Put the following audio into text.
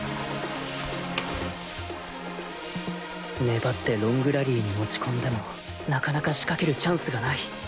粘ってロングラリーに持ち込んでもなかなか仕掛けるチャンスがない。